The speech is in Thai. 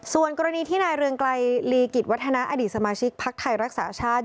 ส่วนกรณีที่นายเรืองไกลลีกิจวัฒนาอดีตสมาชิกภักดิ์ไทยรักษาชาติ